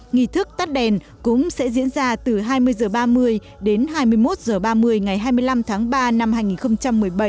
nghị thức tắt đèn cũng sẽ diễn ra từ hai mươi h ba mươi đến hai mươi một h ba mươi ngày hai mươi năm tháng ba năm hai nghìn một mươi bảy